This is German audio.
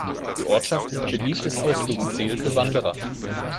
Die Ortschaft ist beliebtes Ausflugsziel für Wanderer.